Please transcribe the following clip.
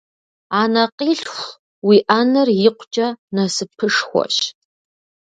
Анэкъилъху уиӏэныр икъукӏэ насыпышхуэщ!